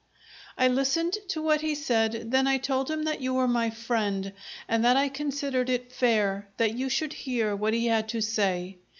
"I listened to what he said; then I told him that you were my friend, and that I considered it fair that you should hear what he had to say.